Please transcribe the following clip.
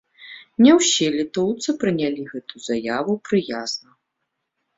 Ня ўсе літоўцы прынялі гэтую заяву прыязна.